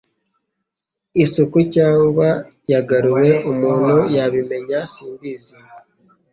Isuku cyangwa yagaruwe? Umuntu yabimenya: Simbizi.